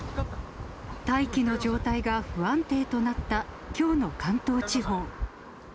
大気の状態が不安定となった、きょうの関東地方。